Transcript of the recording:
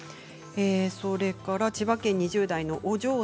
それから千葉県２０代の方。